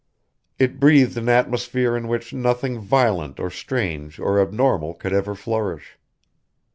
It breathed an atmosphere in which nothing violent or strange or abnormal could ever flourish.